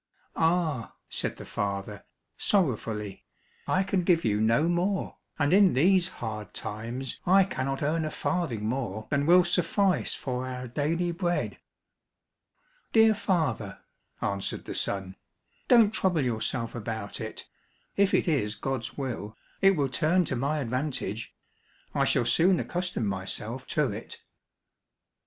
"Ah," said the father, sorrowfully, "I can give you no more, and in these hard times I cannot earn a farthing more than will suffice for our daily bread." "Dear father," answered the son, "don't trouble yourself about it, if it is God's will, it will turn to my advantage I shall soon accustom myself to it."